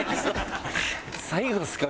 最後ですか？